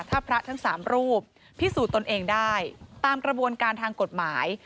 ถ้าพระทั้ง๓รูปพิสูจน์ตนเองได้ตามกระบวนการทางกฎหมาย